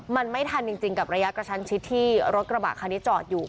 มันไม่ทันจริงกับระยะกระชั้นชิดที่รถกระบะคันนี้จอดอยู่